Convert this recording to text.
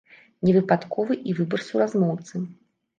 Не выпадковы і выбар суразмоўцы.